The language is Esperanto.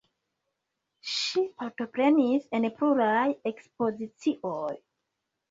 Ŝi partoprenis en pluraj ekspozicioj.